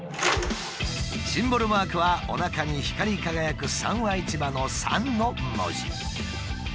シンボルマークはおなかに光り輝く三和市場の「三」の文字。